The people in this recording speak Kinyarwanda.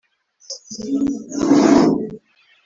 rigomba gusabwa kandi rikemerwa hakurikijwe